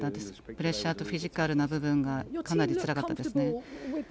プレッシャーとフィジカルな部分がかなりつらかったですね。